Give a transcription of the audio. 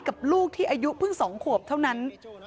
กับลูกที่อายุเพิ่ง๒ขวบเท่านั้น